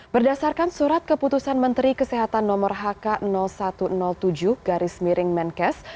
berdasarkan surat keputusan menteri kesehatan nomor hk satu ratus tujuh garis miring menkes